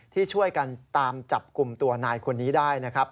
ที่ช่วยกันตามจับกลุ่มตัวนายคนนี้ได้นะครับ